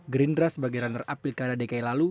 gerindra sebagai runner up pilkada dki lalu